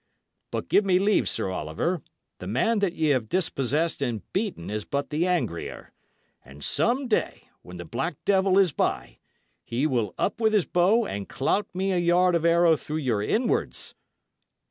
But give me leave, Sir Oliver: the man that ye have dispossessed and beaten is but the angrier, and some day, when the black devil is by, he will up with his bow and clout me a yard of arrow through your inwards."